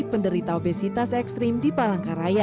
penderita obesitas ekstrim di palangkaraya